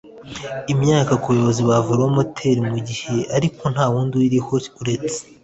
Imyaka ku bayobozi ba velomoteri mu gihe ariko nta wundi uyiriho uretse